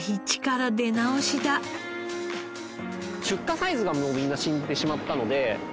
出荷サイズがもうみんな死んでしまったので。